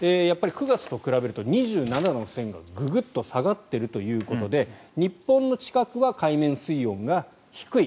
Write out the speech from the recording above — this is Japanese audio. やっぱり９月と比べると２７度の線がググッと下がっているということで日本の近くは海面水温が低い。